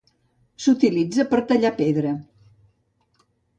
S’utilitza per a tallar pedra.